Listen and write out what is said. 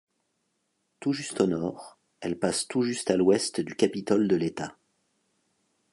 Tout juste au nord, elle passe tout juste à l'ouest du Capitole de l'état.